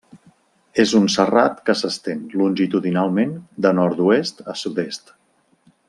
És un serrat que s'estén longitudinalment de nord-oest a sud-est.